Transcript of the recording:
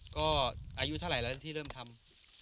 ก็อายุเท่าไหร่แล้วที่เริ่มทำ